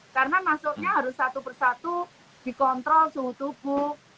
karena masuknya harus satu persatu dikontrol suhu tubuh